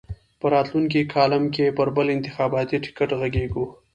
په راتلونکي کالم کې پر بل انتخاباتي ټکټ غږېږو.